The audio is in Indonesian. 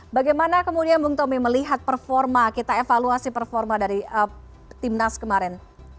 bagaimana kemudian bang tommy melihat performa kita evaluasi performa dari tim nas kemarin